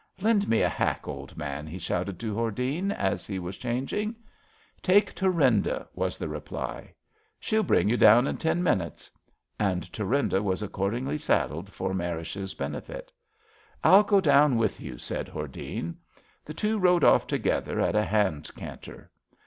Lend me a hack, old man,'^ he shouted to Hordene as he was changing. Take Thurinda/^ was the reply. *^ She'll bring you down in ten minutes. '^ And Thurinda was accordingly saddled for Marish's benefit. 1*11 go down with you,'* said Hordene. The two rode off together at a hand canter.